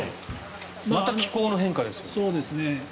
また気候の変化ですよ。